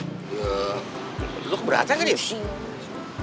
lo keberatan gak din